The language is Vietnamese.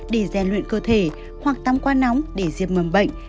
để dè luyện cơ thể hoặc tắm quá nóng để diệp mầm bệnh